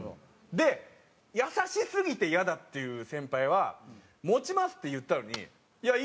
で優しすぎてイヤだっていう先輩は「持ちます！」って言ったのに「いやいいよいいよ」